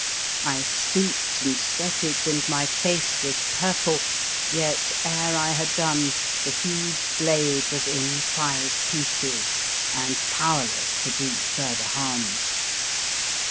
I stooped and sweated, and my face was purple, yet, ere I had done, the huge blade was in five pieces, and powerless to do further harm.